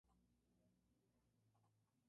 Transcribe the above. El mismo año funda el Club Universitario.